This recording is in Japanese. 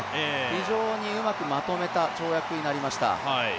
非常にうまくまとめた跳躍になりました。